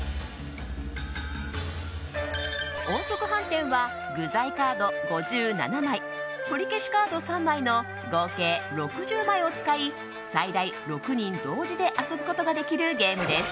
音速飯店は具材カード５７枚とりけしカード３枚の合計６０枚を使い最大６人同時で遊ぶことができるゲームです。